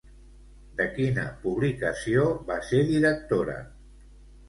De quina publicació va ser directora?